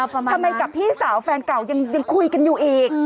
ทำไมกับพี่สาวแฟนเก่ายังคุยกันอยู่อีก